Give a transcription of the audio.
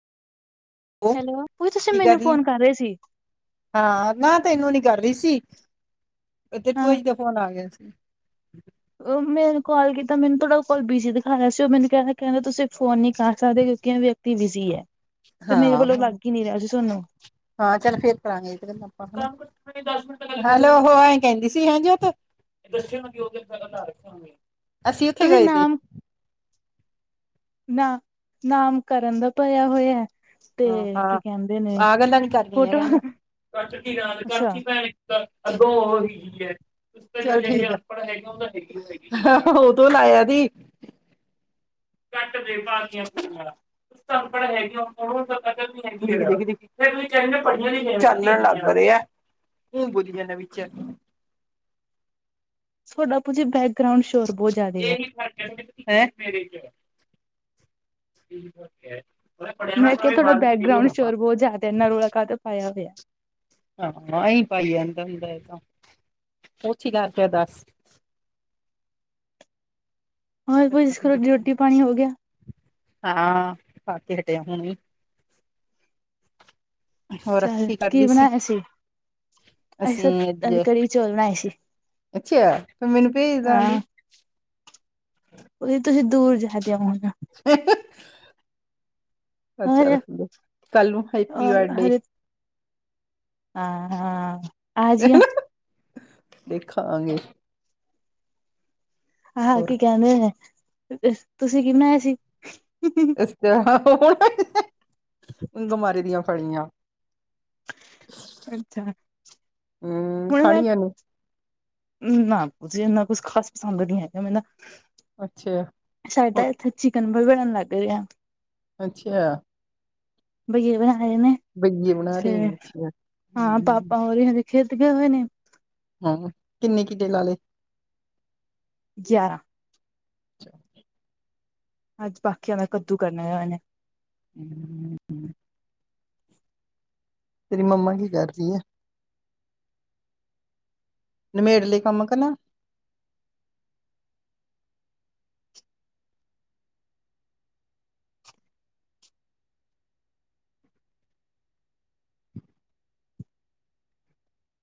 ਉਹ ਹੈਲੋ ਭੂਈ ਤੁਸੀਂ ਕੀ ਮੈਨੂੰ ਰਹੀ ਹੈ? ਫੋਨ ਕਰ ਰੇ ਸੀ? ਹਾਂ ਨਾ ਤੇ ਤੈਨੂੰ ਨੀ ਕਰ ਰੀ ਸੀ, ਤੇਰੀ ਭੂਆ ਹਾਂ। ਜੀ ਦਾ ਫੋਨ ਆ ਗਿਆ ਸੀ। ਉਹ ਮੈਨੂੰ ਕਾਲ ਕੀਤਾ ਮੈਨੂੰ ਤੁਹਾਡਾ ਕੋਲ ਬਿਜੀ ਦਿਖਾ ਰਿਆ ਸੀ ਉਹ ਮੈਨੂੰ ਕਹਿ ਕਹਿੰਦਾ ਤੁਸੀਂ ਫੋਨ ਨੀ ਕਰ ਸਕਦੇ ਕਿਉਂਕਿ ਵੀ ਬਿਜੀ ਐ, ਤੇ ਮੇਰੇ ਹਾਂ ਵੱਲੋਂ ਲੱਗ ਈ ਨੀ ਰਿਆ ਸੀ ਤੁਹਾਨੂੰ। ਹਾਂ ਚੱਲ ਫੇਰ ਕਰਾਂਗੇ ਇੱਕ ਹੈਲੋ ਐਹੋ ਐ ਕਹਿੰਦੀ ਸੀ ਹੈ ਜੋਤ [unintelligible] ਅਸੀਂ ਉੱਥੇ ਤੁਸੀਂ ਗਏ ਤੇ ਨਾਮ ਨਾ ਨਾਮ ਕਰਨ ਦਾ ਭਰੀਆ ਹੋਇਆ ਤੇ ਹਾਂ ਕੀ ਹਾਂ, ਕਹਿੰਦੇ ਨੇ ਆਹ ਗੱਲਾਂ ਨੀ ਕਰਨੀਆ ਫੋਟੋ ਕਹਿੰਦਾ ਅੱਛਾ [unintelligible] [inaudible] ਚੱਲ ਠੀਕ ਐ, ਉਹ ਤੋ ਲਾਇਆ ਤੀ ਕੱਟ ਦੇ ਪਾਤੀਆਂ ਪੁਰੀਆ [inaudible] [unintelligible] ੳਈ ਬੋਲੀ ਜਾਨਾ ਵਿੱਚ [inaudible] ਬਹੁਤ ਜ਼ਿਆਦਾ ਹੈ। [inaudible] ਪੜ੍ਹਿਆ ਨਾ ਮੈਂ ਕਿਆ ਭਾਵੇਂ ਤੁਆਡਾ ਬਾਰਵੀਂ ਫੇਲ ਹੀ ਬੈਕਗਰਾਊਂਡ ਹੋਣਾ ਸ਼ੋਰ ਬੋਤ ਜਿਆਦਾ ਏਨਾ ਰੌਲਾ ਕਾਤੋ ਪਾਇਆ ਹੋਇਆ ਹਾਂ ਅਈ ਪਾਈ ਜਾਂਦਾ ਹੁੰਦਾ ਐ ਤਾਂ [unintelligible] ਹੋਰ ਭੂਜੀ ਰੋਟੀ ਪਾਣੀ ਹੋ ਗਿਆ, ਹਾਂ ਪਾ ਕੇ ਹਟਿਆ ਹੁਣੀ ਹੋਰ ਕੀ ਕਰਦੀ ਸੀ, ਅਸੀਂ ਤਾਂ ਅਜ ਅੱਜ ਕੜੀ ਚੌਲ ਬਣਾਏ ਸੀ, ਅੱਛਿਆ ਤੂੰ ਮੈਨੂੰ ਪੈਜ ਹਾਂ। ਦਿੰਦੀ [unintelligible] ਤੁਸੀਂ ਦੂਰ ਜਾਦੇ ਹੋਈਆ ਅੱਛਾ ਹੋਰ ਰੱਖਦੇ ਕੱਲ ਨੂੰ ਹੈਪੀ ਬਰਡੇ ਹਾਂ-ਹਾਂ ਦੇਖਾਂਗੇ ਹਾਂ ਹੋਰ ਕੀ ਕਹਿੰਦੇ ਨੇ, ਤੁਸੀਂ ਕਿ ਬਨਾਆ ਸੀ ਅਸੀ ਤੇ, [unintelligible] ਮਾੜੀ ਦੀਆ ਫੜੀਆਂ ਅੱਛਾ, ਹਮ ਹੁਨ ਮੈਂ ਖਾਣੀਆਂ ਨੇ ਨਾ ਇੰਨਾ ਕੁਛ ਖਾਸ ਪਸੰਦ ਨੀ ਹੈਗਾ ਮੈ ਨਾ ਅੱਛਾ। ਸਾਡਾ ਹੋਰ ਇੱਥੇ ਚਿਕਨ ਬੜਨ ਲੱਗ ਰਿਆ ਅੱਛਾ। ਬੀਆ ਬਣਾਏ ਨੇ, ਬਈਏ ਬਣਾ ਤੇ ਰਹੇ ਨੇ ਅੱਛਾ ਹਾਂ ਹਮ ਪਾਪਾ ਉਰਵੀ ਖੇਤ ਗਏ ਹੋਏ ਨੇ। ਹਾਂ, ਕਿੰਨੇ ਕਿਡੇ ਲਾ ਲਏ ਗਿਆਰਾਂ [inaudible] ਅੱਜ ਬਾਕੀ ਦਾ ਕੱਦੂ ਕਰਨਾ ਹੋਏ ਨੇ ਹੂੰ ਤੇਰੀ ਮੰਮਾ ਕੀ ਕਰ ਰਹੀ ਏ ਨਮੇੜ ਲਈ ਕੰਮ ਕਰਨਾ